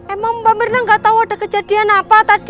emang mbak mirna gak tau ada kejadian apa